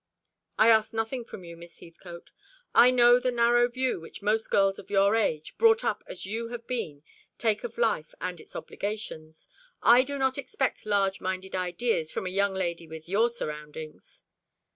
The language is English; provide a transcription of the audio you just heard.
"I ask nothing from you, Miss Heathcote. I know the narrow view which most girls of your age, brought up as you have been, take of life and its obligations. I do not expect large minded ideas from a young lady with your surroundings."